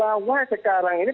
bahwa sekarang ini